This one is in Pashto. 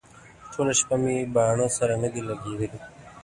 ټوله شپه مې باڼه سره نه دي لګېدلي.